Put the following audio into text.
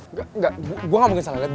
nggak gak gue gak mungkin salah liat